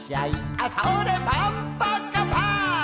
「あそれパンパカパン」